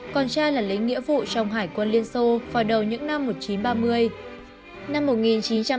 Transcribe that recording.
con trai là lấy nghĩa vụ trong hải quân liên xô vào đầu những năm một nghìn chín trăm ba mươi